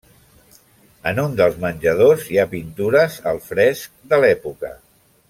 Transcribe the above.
En un dels menjadors hi ha pintures al fresc de l'època.